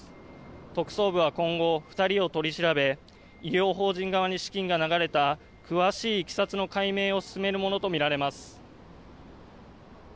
特捜部は今後、２人を取り調べ医療法人側に資金が流れた詳しいいきさつの解明を進めるものと見られます。